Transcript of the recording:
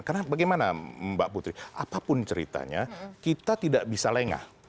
karena bagaimana mbak putri apapun ceritanya kita tidak bisa lengah